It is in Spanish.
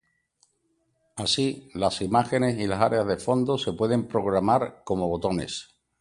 Así, las imágenes y las áreas de fondo se pueden programar como botones.